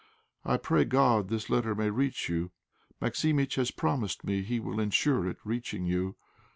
I pray God this letter may reach you. Maximitch has promised me he will ensure it reaching you.